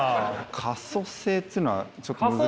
可塑性ってのはちょっと難しい。